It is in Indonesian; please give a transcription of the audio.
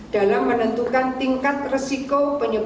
dalam menentukan tingkat resiko